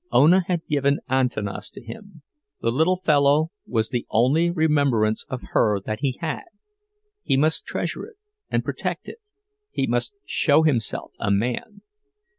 Ona had given Antanas to him—the little fellow was the only remembrance of her that he had; he must treasure it and protect it, he must show himself a man.